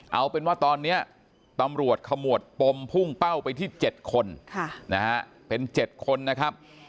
เอาเป็นว่าตอนนี้ตำรวจขมวดปมพุ่งเป้าไปที่๗คนเป็น๗คนนะครับ